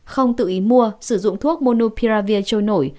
không tự ý mua sử dụng thuốc monopia trôi nổi